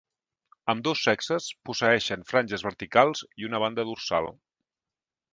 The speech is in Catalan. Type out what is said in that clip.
Ambdós sexes posseeixen franges verticals i una banda dorsal.